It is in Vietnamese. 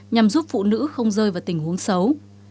nhằm giúp phụ nữ không rơi vào tình huống xấu